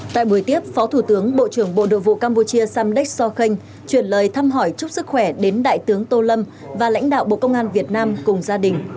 tại buổi tiếp phó thủ tướng bộ trưởng bộ nội vụ campuchia samdek sokhan chuyển lời thăm hỏi chúc sức khỏe đến đại tướng tô lâm và lãnh đạo bộ công an việt nam cùng gia đình